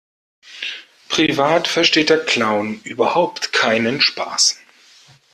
Privat versteht der Clown überhaupt keinen Spaß.